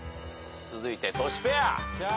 続いてトシペア。